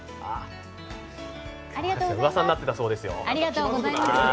うわさになっていたそうですよ。